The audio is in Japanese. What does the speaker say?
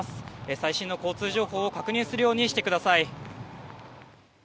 最新の交通情報を確認するようにしてください。